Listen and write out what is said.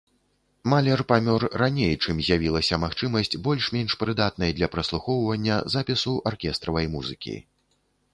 Малер памёр раней, чым з'явілася магчымасць больш-менш прыдатнай для праслухоўвання запісу аркестравай музыкі.